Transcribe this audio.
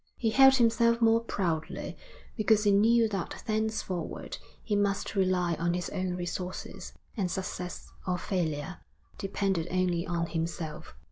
He held himself more proudly because he knew that thenceforward he must rely on his own resources, and success or failure depended only on himself.